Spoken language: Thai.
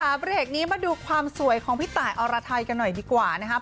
เบรกนี้มาดูความสวยของพี่ตายอรไทยกันหน่อยดีกว่านะครับ